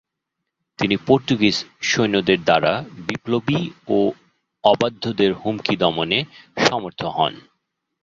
তিনি পর্তুগীজ সৈন্যদের দ্বারা বিপ্লবী ও অবাধ্যদের হুমকি দমনে সমর্থ হন।